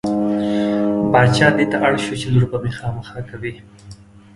باچا دې ته اړ شو چې لور به مې خامخا کوې.